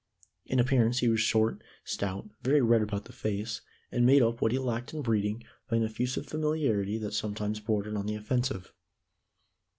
In appearance he was short, stout, very red about the face, and made up what he lacked in breeding by an effusive familiarity that sometimes bordered on the offensive.